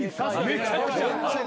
めちゃくちゃ。